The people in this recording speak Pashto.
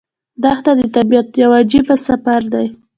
دښته د طبیعت یو عجیب سفر دی.